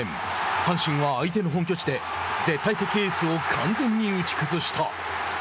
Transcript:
阪神は相手の本拠地で絶対的エースを完全に打ち崩した。